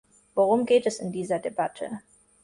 Worum geht es in dieser Debatte?